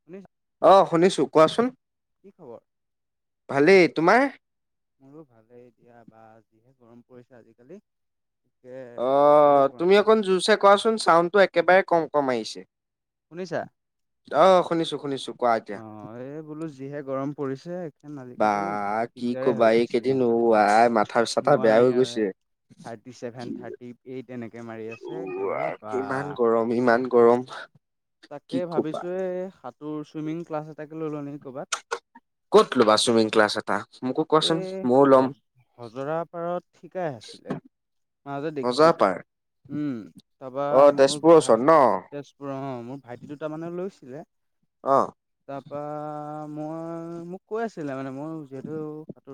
[unintelligible] অ', শুনিছো কোৱাচোন। কি খবৰ? ভালেই তোমাৰ? মোৰো ভালেই দিয়া বা যিহে গৰম পৰিছে আজিকালি। একে অ', থাকিবই পৰা তুমি নাই। অকণ জুৰছে কোৱাচোন চাউণ্ডটো একেবাৰে কম কম আহিছে। শুনিছা? অ', শুনিছো শুনিছো কোৱা এতিয়া। অ', এই বোলো যিহে গৰম পৰিছে এখেন বা আজিকালি কি দিগদাৰে হৈ কবা এই গৈছে কেইদিন আই মাথাৰ চাথা বেয়া হৈ গৈছে। থাৰ্ট কি ছেভেন থাৰ্টি এইট এনেকে মাৰি ও আছে একেবাৰে আই, বা ইমান গৰম ইমান গৰম। তাকে কি কবা ভাবিছো এই সাঁতোৰ চুইমিং ক্লাছ এটাকে লও নেকি কৰ'বাত। ক'ত ল'বা ছুইমিং ক্লাছত? এ হ হজৰা পাৰত শিকাই আছিলে। মাজতে মজা দেখিছিলো পাৰ উম, তাৰাপা অ মোৰ তেজপুৰৰ ভা ওচৰত [unintelligible] ন তে মোৰ ভাইটি দুটামানে মানেও লৈছিলে। অ'। তাৰপা মই মোক কৈ আছিলে মানে মই যিহে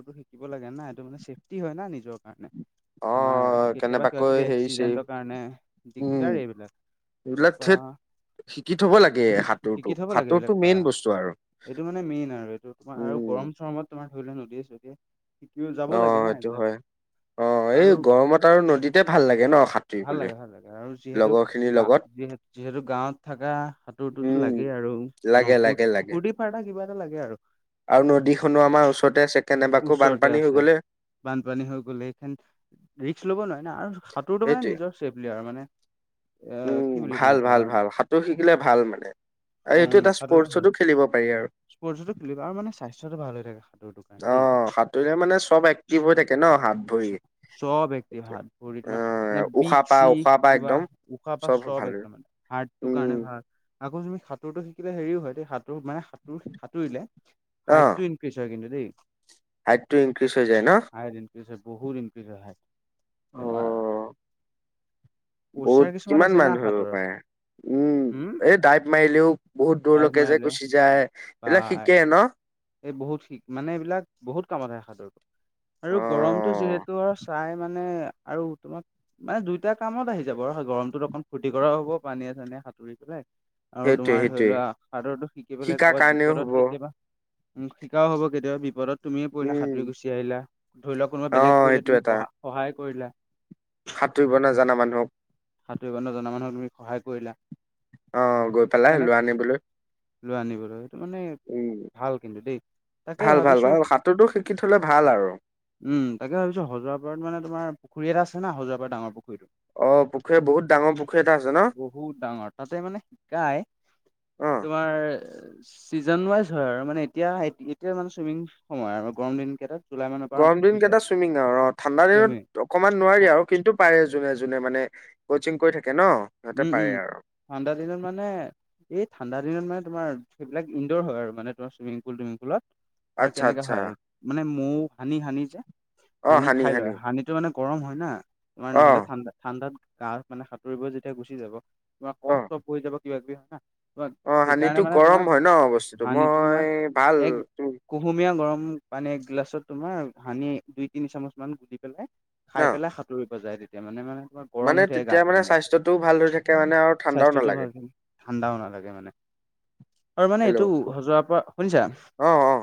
টো শিকিব লাগে না এইটো মানে চেফ্টি হয় না নিজৰ কাৰণে। অ তোমাৰ কেতিয়াবা কিবা কেনেবাকৈ কিবি হেৰি চেৰি এক্সিডেণ্টৰ কাৰণে উম দিগদাৰ এইবিলাক। এইবিলাক তাপা ঠেত শিকি থব লাগে সাঁতোৰটো লাগে এইবিলাক সাঁতোৰটো বা মেইন বস্তু আৰু। এইটো মানে মেইন আৰু এইটো তোমাৰ আৰু উম গৰম চৰমত তোমাৰ ধৰি‌ লোৱা‌ নদিয়ে চদিয়ে অ', এইটো হয় অ', এই আৰু গৰমত আৰু নদীতে ভাল লাগে ন' সাত ভাল লাগে ভাল লাগে আৰু যিহেতু গা লগত যিহেত যিহেতু গাঁৱত থাকা তো উম লাগেই আৰু লাগে ন' লাগে লাগে ফূুৰ্তি ফাৰটা কিবা এটা লাগে আৰু। আৰু নদীখনো আমাৰ ওচৰতে ‌ [unintelligible] বান্ধ ওচৰতে আছে বানপানী হৈ গলে সেই ৰিস্ক লব নোৱাৰে ন' আৰু সাঁতোৰটো মানে সেইটোৱে নিজৰ ছেফলি আৰু মানে এ উম, কি বুলি ক'ম ভাল এতিয়া ভাল ভাল সাঁতোৰ শিকিলে ভাল মানে। আৰু উম এইটো এটা সাঁতোৰটো স্পৰ্টছতো খেলিব পাৰি আৰু। স্পৰ্টছতো খেলিব আৰু মানে স্বাস্থ্যটো ভাল হৈ থাকে সাতুৰটো কাৰণ দেই। সাতোঁৰিলে মানে চব এক্টিভ হৈ থাকে ন' হাত-ভৰি চব এক্টিভ হাত ভৰি অ' তোমাৰ মানে এ‌ বিষ উশাহ-পাহ, চিষ উশাহ-পাহ কিবা একদম। উশাহ পাহ চব একদম মানে হাৰ্টো উম কাৰণে ভাল। আকৌ তুমি সাঁতোৰটো শিকিলে হেৰিও হয় দে সাঁতোৰ মানে সাঁতোৰ, সাঁতুৰিলে অ হাইটটো [unintelligible] কিন্তু দেই। হাইটটো ইনক্ৰিজ হৈ যায়, ন'? হাইট ইনক্ৰিজ হয়, বহুত ইনক্ৰিজ হয় হাইট অ পচাৰ বহুত কিছুমান আছে না কিমানমান ধৰিব সাঁতোৰৰ পাৰে? উম, হুম এই ডাইপ মাৰিলেও বহুত ডাইভ দূৰলৈকে যে মাৰিলে গুচি যায়, বা এইবিলাক শিকে ন'? এই বহুত শিক, মানে এইবিলাক বহুত কামত আহে সাঁতোৰ। আৰু গৰমটো অ', যিহেতু, আৰু চাই মানে আৰু তোমাক মানে দুইটা কামত আহি যাব আৰু গৰমটোত অকণ ফুৰ্তি কৰাও হ'ব পানীয়ে-চানীয়ে সাঁতুৰি পেলাই। আৰু সেইটোৱে তোমাৰ ধৰি সেইটোৱে লোৱা, সাঁতোৰটো শিকি পেলাই শিকাৰ কৰবাত কাৰণেও হ'ব। বিপদত কেতিয়াবা উম, শিকাও হ'ব। কেতিয়াবা বিপদত তুমিয়ে পৰিলা, উম, সাঁতুৰি গুচি আহিলা। ধৰি লোৱা কোনবা বেলেগ অ', পৰিলে, এইটো তুমি এটা সহা সহায় কৰিলা। সাঁতুৰিব নাজানা মানুহ। সাঁতুৰিব নজনা মানুহক তুমি সহায় কৰিলা। অ', গৈ পেলাই তেনেক লৱা নিবলৈ। লৈ আনিবলৈ, সেইটো মানে উম, ভাল কিন্তু দেই তাকে ভাল ভাল ভাবিছো ভাল! সাঁতোৰটো শিকি থ'লে ভাল আৰু। উম, তাকে ভাবিছোঁ, হজৰাপাৰত মানে তোমাৰ পুখুৰী এটা আছে ন, হজৰাপাৰ ডাঙৰ পুখুৰীটো। অ', পুখুৰী, বহুত ডাঙৰ পুখুৰী এটা আছে ন? বহুত ডাঙৰ, তাতে মানে শিকায় অ', তোমাৰ ছিজন ৱাইজ। ধৰ আৰু মানে, এতিয়া এতিয়া মানে চুইমিং সময় আৰু গৰম দিন কেইটাত। জুলাই মানৰ পৰা আৰম্ভ গৰম দিন হৈ যায় কেইটা চুইমিং আৰু, অ', ঠাণ্ডা চুইমিং দিনত অকমাণ নোৱাৰি আৰু, কিন্তু পাৰে যোনে যোনে মানে‌ কোচিং কৰি থাকে ন। সিহঁতে উম পাৰে উম, আৰু ঠাণ্ডা দিনত মানে এই ঠাণ্ডা দিনত মানে, তোমাৰ সেইবিলাক ইনডৰ হয় আৰু মানে, তোমাৰ চুইমিং পুল-তুইমিং পুলত। তোমাৰ আচ্ছা কেনেকা আচ্ছা। হয় মানে মৌ সানি-সানি যে, সানি খাই লয় সানি সেইটো মানে গৰম হয় না, তোমাৰ অ নহ'লে ঠাণ্ডা ঠাণ্ডাত গা মানে সাঁতুৰিবই যেতিয়া, গুচি যাব। তোমাৰ অ কষ্ট পৰি যাব, কিবা-কিবি হয় না? তোমাৰ অ', সেইকাৰণে সানিতো মানে গৰম তোমাৰ হয় ন বস্তুটো? হানিটো তোমাৰ মই ভাল এক তু কুহুমীয়া গৰম পানী একগিলাচত তোমাৰ সানি দুই-তিনি চামুচমান গুলি পেলাই ন খাই পেলাই সাঁতুৰিব যায় তেতিয়া মানে, মানে [unintelligible] মানে তেতিয়া মানে স্বাস্থ্যটোও ভাল হৈ থাকে মানে আৰু ঠাণ্ডাও স্বাস্থ্যটোও নালাগে ভাল, ঠাণ্ডাও নালাগে মানে। আৰু মানে হেল্ল' এইটো হজোৱাৰ পাৰ শুনিছা? অ অ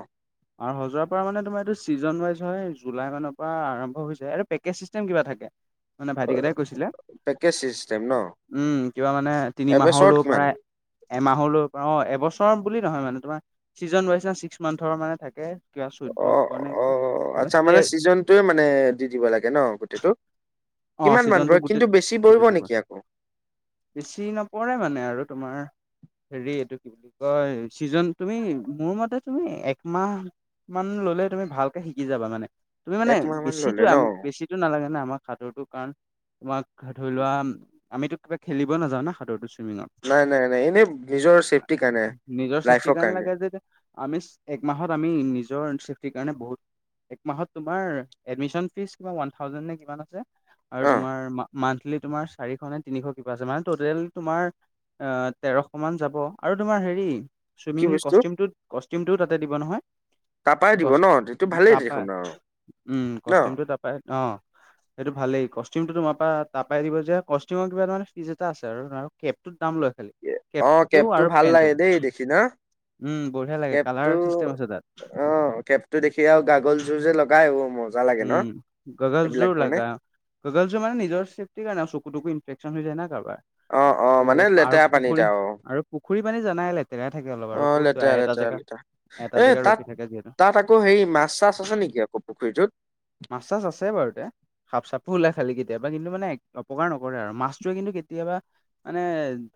আৰু হাজোৱাৰ পাৰ মানে তোমাৰ এইটো ছিজন ৱাইজ হয়, জুলাই মানৰ পৰা আৰম্ভ হৈ যায়। [unintelligible] পেকেজ চিষ্টেম কিবা থাকে, মানে ভাইটি কেইটাই কৈছিলে। পেকেজ চিষ্টেম ন। উম, কিবা মানে তিনি এবছৰত মাহৰলৈ কিমান পৰা। এমাহৰ লৈ [unintelligible] অ', এবছৰ বুলি নহয় মানে তোমাৰ ছিজন ৱাইজ ছিক্স মান্থৰ মানে থাকে। কিবা অ', চৈধ্যশ অ' নে আচ্ছা, তে মানে ছিজনটোৱে মানে দি দিব লাগে ন গোটেইটো? অ কিমানমান ছিজনটো পৰে? গোটেই কিন্তু বেছি পৰিব গোটেইটো পৰে নেকি আকৌ? বেছি নপৰে মানে আৰু তোমাৰ হেৰি, এইটো কি বুলি কয় ছিজন, তুমি মোৰ মতে তুমি একমাহ মান ল'লে তুমি ভালকে শিকি যাবা মানে, তুমি মানে একমাহ মান বেছিটো ললে ন [unintelligible] বেছি টো নালাগে না আমাক সাঁতোৰটো আমিতো কিবা খেলিব নাজানো নাহ, সাঁতোৰটো ছুইমিঙত। নাই, নাই, নাই, এনেই নিজৰ ছেফ্টীৰ কাৰণে, নিজৰ চেফটিৰ লাইফৰ কাৰণে। [unintelligible] আমি এক মাহত আমি নিজৰ চেফটিৰ কাৰণে বহুত এক মাহত তোমাৰ এদমিচন ফিজ ওৱান থাউজেণ্ড নে কি? আৰু অ তোমাৰ মান্থলি তোমাৰ চাৰিখনে তিনিশ কিবা আছে মানে টটেল তোমাৰ অ তেৰশ মান যাব আৰু তোমাৰ হেৰি কি চুইমিং বস্তু কষ্টিউমটো কষ্টিউমটো তাতে দিব নহয়। তাৰাপাই দিব কচ ন সটো ভালেই তাৰপা দেখোন আৰু ন? অঁ। সেইটো ভালেই কষ্টিউমটো তোমাৰ পৰা ত পই দিব যে কষ্টিউম কা তাৰ ফিজ এটা আছে আৰু কেবটোত দাম লৈ খালি। অ কেপটো কেবটো আৰু ভাল পেণ্টটো লাগে দেই দেখি না? উম বঢ়িয়া লাগে কালাৰ চিষ্টেম আছে তাত। অ খেপতো দেখি আৰু গাগলযোৰ যে লগাই অ', ম উম গগল য লাগায়। গগল চ মানে নিজৰ চেফটিৰ কাৰণে চকু ইনফেকচন হৈ যায় না কাৰবাৰ। অ' অ' মানে চ' আৰু লেতেৰা পানীত পুখুৰী আৰু পুখুৰী মানে জানাই লেতেৰা থাকে অলপ আৰু অ' ক'ত লেতেৰা এটা লেতেৰা জেগা। লেতেৰা এটা এ জেগা তাত ৰখি থে যিহেতু। তাত আকৌ হেৰি মাছ চাছ আছে নেকি আকৌ পুখুৰীটোত? মাছ চাছ আছে বাৰু এয়া। সাফ চফো ওলাই খালি কেতিয়াবা কিন্তু মানে অপকাৰ নকৰে আৰু মাছটোৱে কিন্তু কেতিয়াবা মানে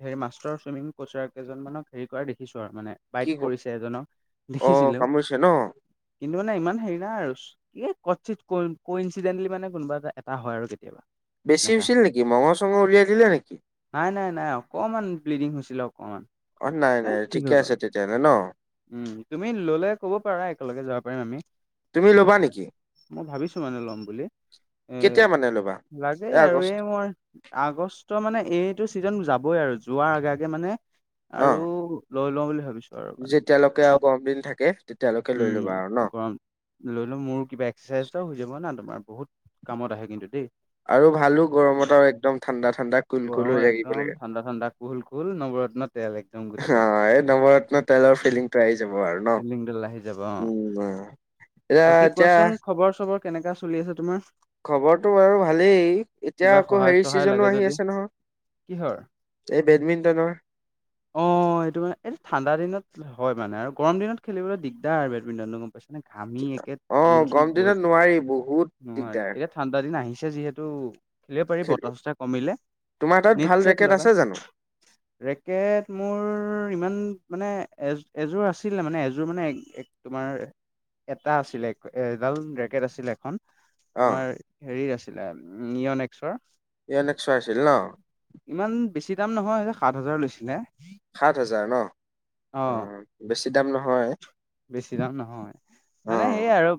হেৰি মাষ্টৰ চুইমিং কোচাৰ কেইজন মানক হেৰি কৰা দেখিছো আৰু মানে কি বাইট কৰিছে এজনক অ' দেখিছিলেও কামুৰিছে ন? কিন্তু মানে ইমান হেৰি নাই আৰু। ক ইিডেণ্টলি মানে কোনোবা এটা এটা হয় আৰু কেতিয়াবা। বেছি এনেকা। হৈছিল নেকি মঙহ চঙৰ উলিয়াইিলে নেকি? নাই নাই নাই অকমান ব্লিডিং হৈছিল। অ নাই নাই ঠিকে আছে তেতিয়াাহলে ন? উম তুমি ললে ক'ব পাৰা একেলগে যাব পাৰিম আমি। তুমি ল'বা নেকি? মই ভাবিছো মানে লম বুলি এ কেতিয়া মানে ল'বা? লাগেই এ আৰু আগষ্ট এই মই আগষ্ট মানে এইটো ছিজন যাবই আৰু যোৱাৰ আগগে মানে আৰু অ' লৈ লওঁ বুলি ভাবিছো। আৰু মানে যেতিয়ালৈকে আৰু গৰম দিন থাকে। তেতিয়ালৈকে লৈ উম, ল'বা আৰু ন? গৰম লৈ লো মোৰ কিবা এক্সাৰচাইজ এটাও হৈ যাব না তোমাৰ বহুত কামত আহে কিন্তু দেই। আৰু ভালো গৰমত আৰু একদম ঠাণ্ডা ঠাণ্ডা কুলকুল গৰমত হৈ থাকিব একদম লাগে। ঠাণ্ডা ঠাণ্ডা কুহুল কুহুল নৱৰত্ন তেল একদম গুচি হ তাত এ নৱৰৰত্ন তেলৰ ফিলিং প্ৰাই চ ন ফিল্ডিংডাল আহি যাব অ উম বাকী এতিয়া কোৱাচোন খবৰ চবৰ কেনেকা চলি আছে তোমাৰ? খবৰটো বাৰু ভালেই এতিয়া কিবা আকৌ সহায় হেৰি চহায় লাগে চিজনো আহি যদি আছে নহয়। কিহৰ? এই বেডমিণ্টনৰ। অ এইটো মানে এইটো ঠাণ্ডা দিনত হয় মানে আৰু। গৰম দিনতেললৈ দিগদাৰ আৰু বেডমিটনো গম পাইছে। মানে ঘামি একে অ জোল চুল গৰম বৈ দিনত যায় নোৱাৰি বহুত নোৱাৰ দিগদাৰ। এতিয়া ঠাণ্ডা দিন আহিছে যিহেতু খে পাৰি খেলি বতাহটা কমিলে তোমাৰ তাত ভাল নিশ্চ ৰেকেট লগা। আছে জানো? ৰেকেট মোৰ ইমান মানে এজ এযোৰ আছিল। আছিলে মানে এযোৰ মানে তোমাৰ এটা আছিলে এডাল ৰেকেট আছিল এখন। অ তোমাৰ হেৰিত আছিলে নিয়ন একক্সৰ। ই ন একক্শয় আছিল ন? ইমান বেছি দাম নহয় যে সাত হাজাৰ লৈছিলে। সাত হাজাৰ ন অ', অঁ। বেছি দাম নহয় অ মানে সেইয়াই আৰু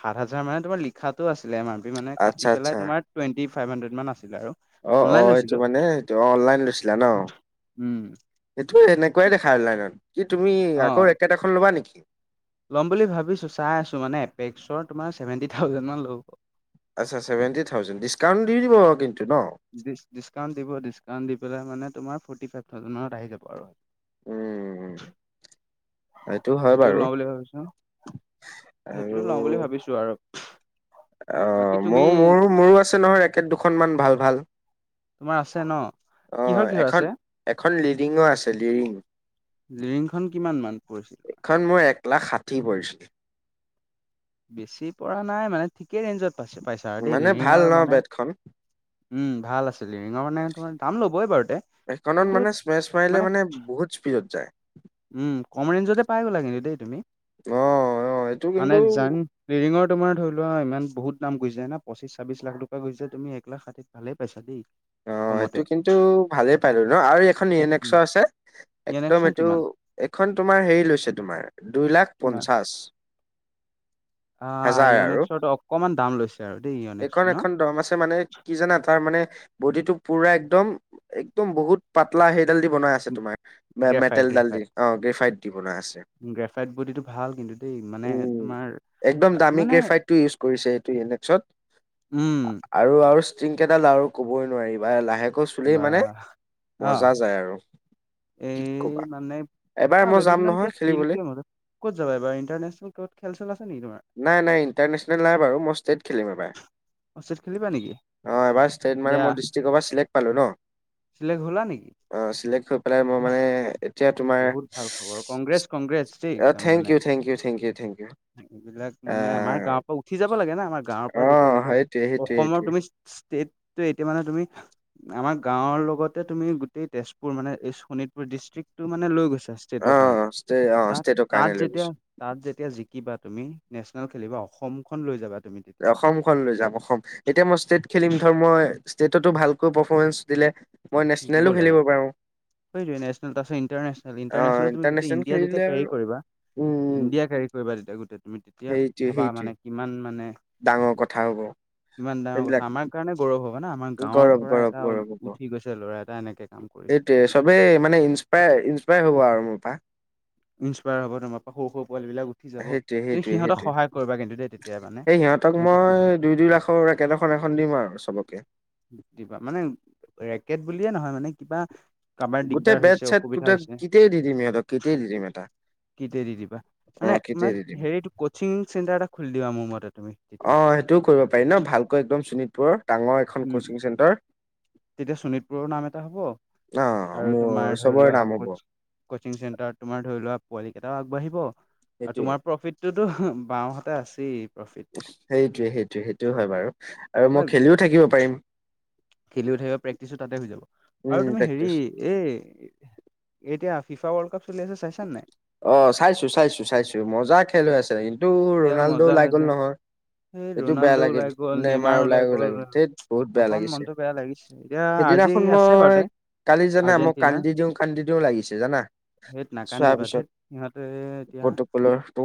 সাত হাজাৰ মানে তোমাৰ লিখাাতো আছিলে মাৰ বি মানে কাটি আচ্ছা আচ্ছা পেলাই তোমাৰ টুৱেটি ফাইভ হাণ্ডে মান আছিল আৰু। অ অ অনলাইন সটো লৈছিলো মানে এইটো অনলাইন লৈছিলা ন? এইটো এনেকুৱাই দেখা হল নাই নন কি তুমি আকৌ অ'। একেট এখন ল'বা নেকি? ল'ম ভাবিছো চাই আছো মানে এপেক্ৰ তোমাৰ ভেটি থাউজেনডান ল'ব। আচ্ছা চেভেণ্টি থাউজেড ডিছকাউট দি দিবাৰ কিন্তু ন? ড ডিছকাউণ্ট দিব ডিচকাউণ্ট দি পেল মানে তোমাৰ ফৰ্টি ফাইভ থাউজেণ্ডত আহি যাব আৰু। উম। হয় সেইটো বাৰু লওঁ বুলি ভাবিছো আৰু সেইটোও লওঁ বুলি ভাবিছো আৰু। অ বাকী তুমি মইো মোৰো মোৰো আছে নহয় একে দুখন মান ভাল ভাল। তোমাৰ আছে ন অ' কিহৰ কিহৰ এখন আছে এখন লিডিঙো আছে লিডৰিং লডিংখন কিমান মান পৰিছিলে খন মোৰ এক লাখ ষাঠি পৰিছিল বেছি পৰা নাই মানে ঠিকেই ৰেঞ্জত পাইছে পাইছা আৰু দেই মানে ভাল লিৰিঙৰ ন মানে বেটখন উম ভাল আছিল ৰিঙৰ মানে তোমাৰ দাম ল'বই বাৰু তে এখনত মানে ছোৱেছ মাৰিলে মানে বহুত স্পীডত যায় উম কম ৰেঞ্জতে পাই গ'লা কিন্তু দেই তুমি অ' অ' এইটো কিন্তু মানে জান লৰিঙৰ তোমাৰ ধৰি লোৱা ইমান বহুত দাম পৰি যাই না পশ্চিছ ছাব্বিশ লাখ টকা গৈছে তুম এক লাখ ষাঠি ভালেই পইচা দেই অ সেইটো কমতে কিন্তু ভালেই পালো ন আৰু এখন ইয়ন একক্স উম আছে একদম ইয়নেকচোন এইটো কিমান এখন তোমাৰ হেৰি লৈছে তোমাৰ দুই লাখ কিমান পঞ্চাশ আহ হাজাৰ আৰু ইয়নেক্সৰটো অকমান দাম লৈছে আৰু দেই ইয়নেক্সটো এইখন ন এখন দম আছে মানে কি জানা তাৰ মানে বডিটো পুৰা একদম একদম বহুত পাতলা সেইডাল দি বনোৱা আছে, তোমাৰ গ্ৰেফাইট মেটেল ডাল দি গ্ৰেফাইট অ' গ্ৰেফাইত দি বনোৱা আছে। গ্ৰেফাইট বডিটো ভাল কিন্তু দেই মানে তোমাৰ মানে গ্ৰেফাইড টো ইউজ কৰিছে এইটো পিছত উম আৰু ষ্টিলকেইডাল কবই নোৱাৰিবাই আৰু লাহে আকৌ চুলি বা মানে অ মজা যায় আৰু কি এই কবা মানে এবাৰ আৰু মই যাম বেডমিণ্টন নহয় ক খেলিবলৈ ফিল্ডটোৱে ক'ত যাব এবাৰ ইণ্টনে্যনেল কবাত খেল চেল আছে নেকি তোমাৰ নাই নাই ইণ্টাৰনেশ্যনেল নাই বাৰু মই ষ্টেট খেলিম এবাই ষ্টেত খেলিবা নেকি ষ্টেট মানে দিয়া মই ডিষ্ট্ৰিক্ট অভাৰ চিলেক্ট পালোঁ ন চিলেক্ট হ'লা নেকি? অ চিলেক্ট হৈ পেলাই মই অহ মানে এতিয়া তোমাৰ বহুত ভাল খবৰ কংগ্ৰেছ কংগ্ৰেছ দেই একদম থেংক মানে you thank you thank you thank you এইবিলাক মানে আমাৰ আহ গাঁৱৰ পৰা উঠি যাব লাগে না আমাৰ গাঁৱৰ পৰা অ যেতিয়া এনেকা সেইটোৱে সেইটোৱে অসমৰ সেইটোৱে তুমি ষ্টেট টো এতিয়া মানে তুমি আমাৰ গাঁওৰ লগতে তুমি গোটেই তেজপুৰ মানে এই শোণিতপুৰ ডিষ্ট্ৰিক্টটো মানে লৈ গৈছা অ টো কাৰণে ষ্টে অ তাত ষ্টেটৰ কাৰণে তাত লৈ যেতিয়া গৈছো তাত যেতিয়া জিকিবা তুমি নেশচনেল খেলিবা অসমখন লৈ যাবা তুমি তেতিয়া অসমখন লৈ যাম অসম এতিয়া মই ষ্টেট খেলিম ধৰ মই ষ্টেটতো ভালকৈ পাৰফৰ্মেঞ্চ দিলে মই নেশ্যনেলো খেলিব পাৰোঁ সনেল তাৰ পিছত ইণ্টাৰনে্যনেল অ ইটাৰনেল তুমি গোট ইণ্টাৰনেচনেল ইণ্ডিয়া যেতিয়া খেলিলে আৰু কেৰি কৰিব উম ইণ্ডিয়া কেৰি কৰিবা তেতিয়া গোটেই তুমি তেতিয়া সেইটোৱে ভাবা সেইটোৱে মানে কিমান মানে ডাঙৰ কথা হ'ব ইমান ডাঙৰ কথা সেইবিলাক আমাৰ কাৰণে গৌৰৱ হব না আমাৰ গাঁৱৰ গৌৰৱ পৰা গৌৰৱ এটা উঠি গৈছে ল'ৰা এটা এনেকে। কাম কৰিছে। এইটোৱে চবেই মানে ইনস্পায়াৰ - ইনস্পায়াৰ হব আৰু মোৰ পা। ইনস্পায়াৰ হ'ব তোমাৰ পৰা সৰু সৰু পোৱালী বিলাক উঠি যাব, সেইটোৱে সেই সেইটোৱে সিহঁতক সেইটোৱে সহায় কৰিবা কিন্তু দেই। তেতিয়া মানে সেই সিহঁতক মই দুই দুই লাখৰ ৰেকেট এখন এখন দিম আৰু চবকে। দিবা মানে ৰেকেট বুলিয়ে নহয় মানে কিবা কাবাৰ দিগদাৰ হৈছে অসুবিধা হৈছে। কিট দি দিম সিহঁতক কিটেই দি দিম এটা। কিট দি দিবা, অ মানে কিটেই দি দিম -মানে হেৰিটো কচিং চেণ্টাৰ এটা খুলি দিবা মোৰ মতে তুমি। অ সেইটোও কৰিব পাৰি ন ভালকৈ একদম শোণিতপুৰৰ ডাঙৰ এখন উম কোচিং চেণ্টাৰ তেতিয়া শোণিতপুৰৰ নাম এটা হ'ব। অ' আৰু তোমাৰ মোৰ ধৰি চবৰে লোৱা নাম হব। কোচ কচিং চেণ্টাৰ তোমাৰ ধৰি লোৱা পোৱালি কেইটাও আগবাঢ়িব আৰু সেইটোৱে তোমাৰ প্ৰফিট সেইটো বাওঁহতে আছেই। প্ৰফিট। সেইটোৱে, সেইটোৱে, সেইটো হয় বাৰু আৰু মই খেলিও থাকিব পাৰিম। খেলিও থাকিবা, প্ৰেক্টিচ ও তাতে হৈ যাব আৰু উম তুমি হেৰি প্ৰেক্টিচ এ, এতিয়া- ফিফা ৱৰ্ল্ড কাপ চলি আছে চাইছা নে নাই? অ, চাইছো, চাইছো, চাইছো মজা খেল হৈ আছে, কিন্তু খেল ৰনাল্ডো মজা ওলাই গল হৈছে। নহয়। সেই এইটো বেয়া ৰনাল্ডো লাগিল ওলাই গ'ল, নেইমাৰ নেমাৰ ওলাই গল, ওলাই গল! ! ! ! ! ! ! ! ! ! বহুত বেয়া অকন লাগিছে মনটো বেয়া লাগিছে। এতিয়া আজি সেইদিনাখন আছে মই, বাৰুতে কালি জানা মই আৰ্জেণ্টিনাৰ। কান্দি দিওঁ, কান্দি দিওঁ লাগিছে জানা নাকান্দিবা, সিহঁতে এতিয়া কটো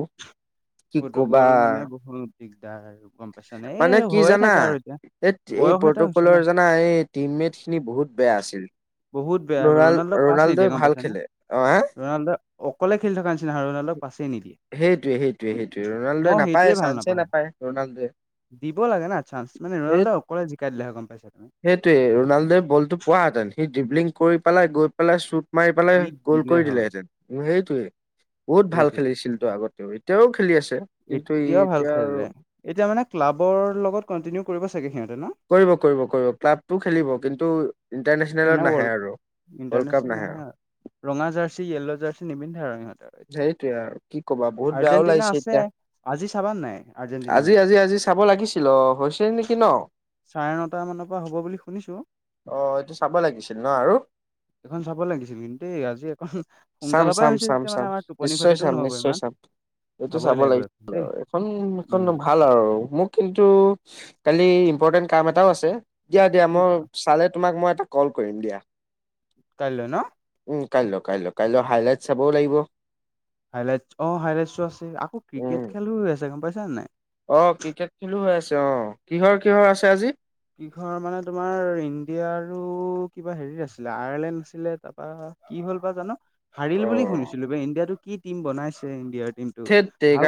পতুৰ্গল মানে বহুত দিগদাৰ, গম পাইছ নে? মানে এই- কি হৈয়ে জানা থাকে আৰু এতিয়া এই বয়স এটা হৈছে না। পটুৰ্গলৰ জানা এই টিমমেট খিনি বহুত বেয়া আছিল। বহুত বেয়া, ৰনাল ৰনাল্ডোক পাছ ৰনাল্ডোই নিদিয়ে গম ভাল পাইছে নে খেলে অ হা ৰনাল্ডো অকলে খেলি থকাৰ নিচিনা হ'ল ৰনাল্ডোক পাছে নিদিয়ে। সেইটোৱে, সেইটোৱে, সেইটোৱে ৰনাল্ডোে মই নাপায় সেইটোৱে এ, ভাল চান্সয়ে নাপাওঁ নাপায় ৰনাল্ডোয়ে। দিব লাগে না চান্স, মানে ৰোনাল্ডে অকলে জিকাই দিলে গম পাইছ তুমি। সেইটোৱে ৰনাল্ডোৱে ব'ল টো পোৱাঁহেতেন সি ড্ৰিবলিং কৰি পেলাই গৈ পেলাই শ্বুট মাৰি পেলাই কি গোল দিলে কৰি হয় দিলেহেঁতেন। সেইটোয়ে বহুত ভাল সেইটোৱে খেলিছিল। এতিয়াও খেলি আছে। কিন্তু ই এতিয়াও ভাল এতিয়া আৰু খেলে, এতিয়া মানে ক্লাবৰ লগত কন্‌টিনিউ কৰিব চাগে সিহঁতে ন? কৰিব, কৰিব, কৰিব ক্লাবটো খেলিব কিন্তু মানে ইণ্টাৰনেচনেলত নাহে ৱৰ্ল্ড আৰু ৱৰ্ল্ড কাপ নাহে আৰু। ৰঙা জাৰ্চি য়েল্ল' জাৰ্চি নিপিন্ধে আৰু সিহঁতে সেইটোৱে আৰু কি কবা বহুত বেয়াও আৰ্জেণ্টিনা লাগিছে আছে এতিয়া। আজি চাবানে নাই? আৰ্জেণ্ট আজি, আজি, আজি চাব লাগিছিল অ', হৈছে নেকি ন? চাৰে নটা মানৰ পৰা হ'ব বুলি শুনিছো। অ', এইটো চাব লাগিছিল ন আৰু এইখন চাব লাগিছিল কিন্তু দেই আজি এখন চাম, সোনকালৰ পৰাই চাম, হৈছে চাম, যেতিয়া মানে চাম আমাৰ টোপনি নিশ্চয় ক্ষতিটো চাম, নহ'ব নিশ্চয় ইমান চাম। এইটো চাবই চাব লাগিব এখন লাগিছিল দেই আৰু এখন, এখন উম ভাল আৰু মোক কিন্তু কালি ইম্পৰ্টেণ্ট কাম এটাও আছে দিয়া, দিয়া কি মই চালে তোমাক মই এটা কল কৰিম দিয়া। কাইলৈ ন? উম কাইলৈ, কাইলৈ, কাইলৈ হাইলাইট চাবও লাগিব। হাইলাইট অ', ইলাইটো আছে আকৌ উম ক্ৰিকেট খেলো হৈ আছে গম পাইছা নাই? অ', ক্ৰিকেট খেলো হৈ আছে অ', কিহৰ, কিহৰ আছে আজি? কিহৰ মানে তোমাৰ ইণ্ডিয়া আৰু কিবা হেৰিৰ আছিলে আয়াৰলেণ্ড আছিলে বা কি হ'ল বা! জানো? অ হাৰিল বুলি শুনিছিলো ইণ্ডিয়াতো কি টিম বনাইছে ইণ্ডিয়াৰ টিম ধেত তেৰিকা